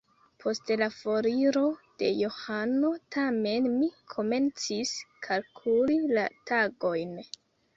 Post la foriro de Johano tamen mi komencis kalkuli la tagojn.